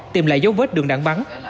tìm lại dấu vết đường đạn bắn